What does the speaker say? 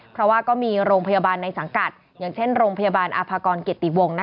เพราะว่าก็มีโรงพยาบาลในสังกัดอย่างเช่นโรงพยาบาลอาภากรเกติวง